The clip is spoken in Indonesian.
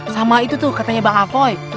sama itu tuh katanya bang avoy